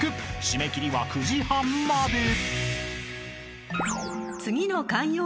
［締め切りは９時半まで］